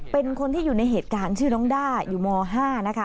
เป็นคนที่อยู่ในเหตุการณ์ชื่อน้องด้าอยู่ม๕นะคะ